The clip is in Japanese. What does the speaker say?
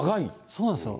そうなんですよ。